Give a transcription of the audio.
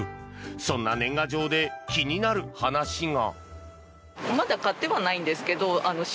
そんな年賀状で気になる話が。